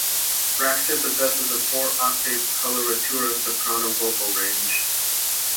Braxton possesses a four octave coloratura soprano vocal range.